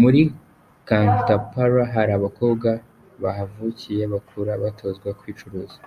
Muri Kandapara hari abakobwa bahavukiye bakura batozwa kwicuruza.